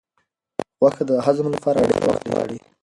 غوښه د هضم لپاره ډېر وخت غواړي.